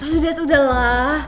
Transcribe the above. sudah sudah lah